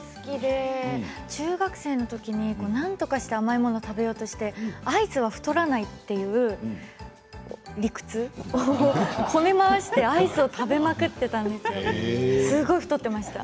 中学生のときになんとかして甘いものを食べようとしてアイスは太らないという理屈理屈をこね回してアイスを食べまくっていました。